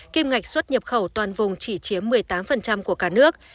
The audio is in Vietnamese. kim ngạch xuất nhập khẩu toàn vùng chỉ chiếm một mươi tám của cả nước